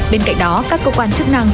bên cạnh đó các cơ quan chức năng